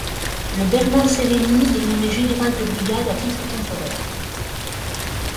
Le Bernard Serrigny est nommé général de brigade à titre temporaire.